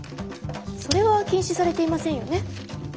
それは禁止されていませんよね？